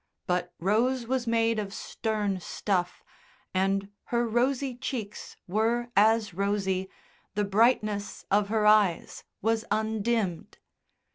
But Rose was made of stern stuff, and her rosy cheeks were as rosy, the brightness of her eyes was undimmed.